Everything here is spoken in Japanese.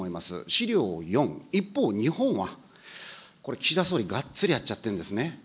資料４、一方、日本は、これ、岸田総理、がっつりやっちゃってるんですね。